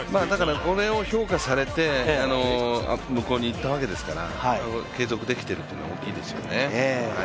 これを評価されて向こうに行ったわけですから、継続できているというのは大きいですよね。